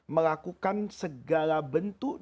melakukan segala bentuk